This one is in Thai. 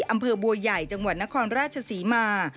อำเภอบัวใหญ่จังหวัดนครราชศรีมา